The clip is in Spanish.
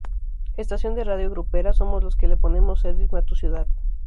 Estación de radio grupera, somos los que le ponemos el "Ritmo a tu Ciudad".